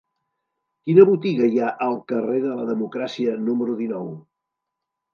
Quina botiga hi ha al carrer de la Democràcia número dinou?